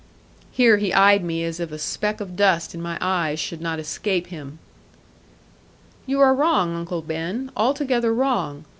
Here he eyed me as if a speck of dust in my eyes should not escape him. 'You are wrong, Uncle Ben; altogether wrong.